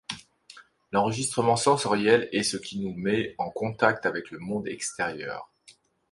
L'enregistrement sensoriel est ce qui nous met en contact avec le monde extérieur.